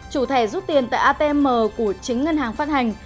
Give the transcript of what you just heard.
chủ thẻ rút tiền tại atm của chính ngân hàng phát hành